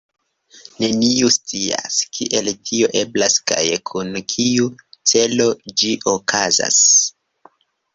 Neniu scias, kiel tio eblas kaj kun kiu celo ĝi okazas.